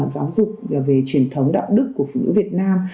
giáo dục về truyền thống đạo đức của phụ nữ việt nam